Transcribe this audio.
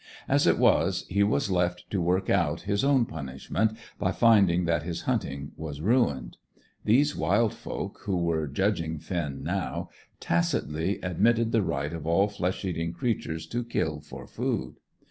As it was, he was left to work out his own punishment by finding that his hunting was ruined. These wild folk, who were judging Finn now, tacitly admitted the right of all flesh eating creatures to kill for food.